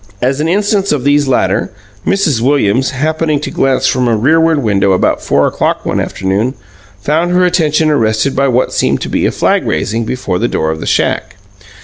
As an instance of these latter, Mrs. Williams, happening to glance from a rearward window, about four o'clock one afternoon, found her attention arrested by what seemed to be a flag raising before the door of the shack.